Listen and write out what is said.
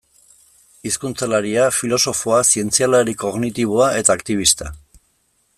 Hizkuntzalaria, filosofoa, zientzialari kognitiboa eta aktibista.